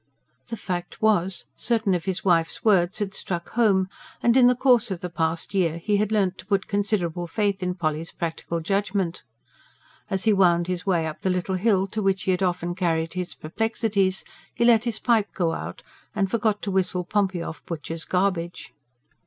The fact was, certain of his wife's words had struck home; and in the course of the past year he had learnt to put considerable faith in Polly's practical judgment. As he wound his way up the little hill to which he had often carried his perplexities, he let his pipe go out, and forgot to whistle Pompey off butcher's garbage.